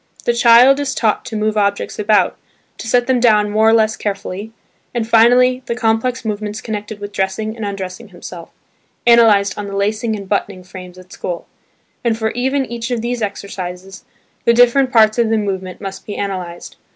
The child is taught to move objects about, to set them down more or less carefully, and finally the complex movements connected with dressing and undressing himself (analysed on the lacing and buttoning frames at school), and for even each of these exercises, the different parts of the movement must be analysed.